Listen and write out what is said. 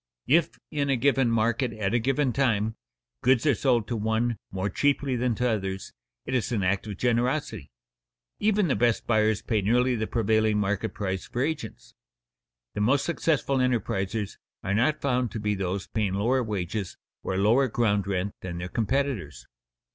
If, in a given market at a given time, goods are sold to one more cheaply than to others, it is an act of generosity. Even the best buyers pay nearly the prevailing market price for agents. The most successful enterprisers are not found to be those paying lower wages or lower ground rent than their competitors.